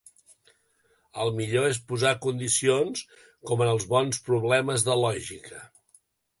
El millor és posar condicions, com en els bons problemes de lògica.